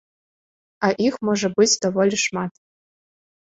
А іх можа быць даволі шмат.